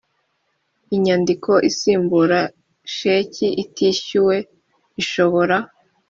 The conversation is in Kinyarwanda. inyandiko isimbura sheki itishyuwe ishobora